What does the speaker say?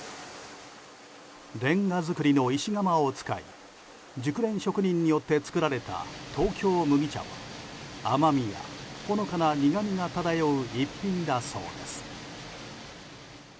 レンガ造りの石窯を使い熟練職人によって作られた東京麦茶は甘みや、ほのかな苦みが漂う逸品だそうです。